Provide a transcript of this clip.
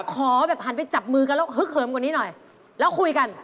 ขอแบบหันไปจับมือกันแล้วฮึกเหิมกว่านี้หน่อยแล้วคุยกัน